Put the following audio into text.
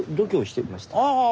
ああ